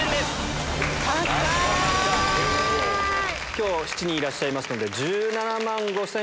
今日は７人いらっしゃいますので。